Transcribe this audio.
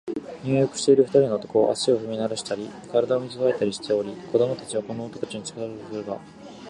入浴している二人の男は、足を踏みならしたり、身体を向き変えたりしており、子供たちはこの男たちに近づこうとするが、